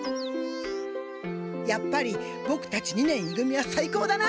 やっぱりボクたち二年い組はさいこうだな。